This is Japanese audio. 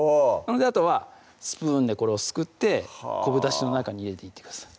あとはスプーンでこれをすくって昆布だしの中に入れていってください